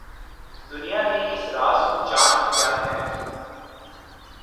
دنیا نے اس راز کو جان لیا ہے۔